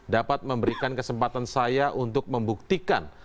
dapat memberikan kesempatan saya untuk membuktikan